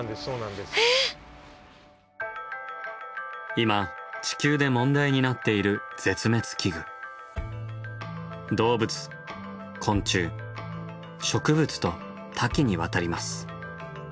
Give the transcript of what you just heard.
今地球で問題になっている絶滅危惧。と多岐にわたります。